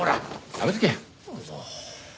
やめとけ。